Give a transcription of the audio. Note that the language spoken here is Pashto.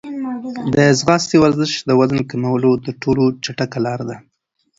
د ځغاستې ورزش د وزن د کمولو تر ټولو چټکه لاره ده.